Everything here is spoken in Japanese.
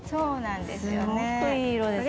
すごくいい色ですね。